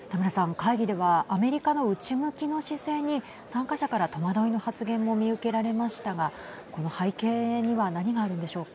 会議ではアメリカの内向きの姿勢に参加者から戸惑いの発言も見受けられましたがこの背景には何があるんでしょうか。